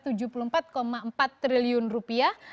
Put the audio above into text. tujuh puluh empat empat triliun rupiah